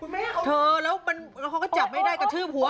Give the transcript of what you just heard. มันก็จับไม่ได้กระทืบหัว